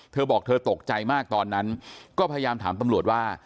เธอบอกเธอตกใจมากตอนนั้นก็พยายามถามตำรวจว่า